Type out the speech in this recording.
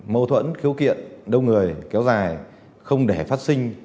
mâu thuẫn khiếu kiện đông người kéo dài không để phát sinh